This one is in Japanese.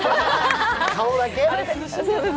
顔だけ？